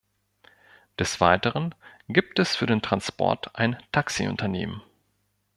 Des Weiteren gibt es für den Transport ein Taxiunternehmen.